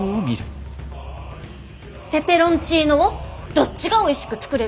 ペペロンチーノをどっちがおいしく作れるか。